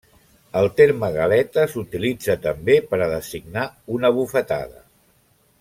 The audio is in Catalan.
El terme galeta s'utilitza també per a designar una bufetada.